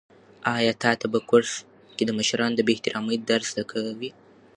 آیا تا ته په کورس کې د مشرانو بې احترامي در زده کوي؟